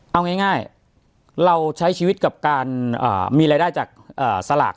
เอาง่ายเราใช้ชีวิตกับการมีรายได้จากสลาก